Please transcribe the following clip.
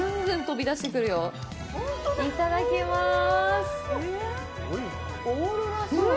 いただきまーす。